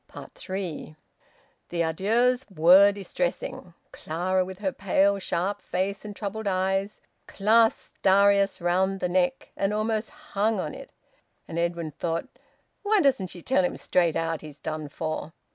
THREE. The adieux were distressing. Clara, with her pale sharp face and troubled eyes, clasped Darius round the neck, and almost hung on it. And Edwin thought: "Why doesn't she tell him straight out he's done for?"